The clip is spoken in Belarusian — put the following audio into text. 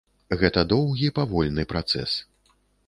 Гэта доўгі, павольны працэс.